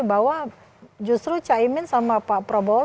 bahwa justru caimin sama pak prabowo